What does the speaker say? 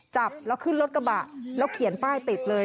จับแล้วขึ้นรถกระบะแล้วเขียนป้ายติดเลย